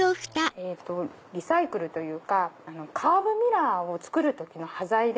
リサイクルというかカーブミラーを作る時の端材で。